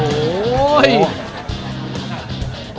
โอ้โห